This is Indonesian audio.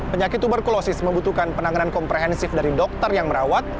penyakit tuberkulosis membutuhkan penanganan komprehensif dari dokter yang merawat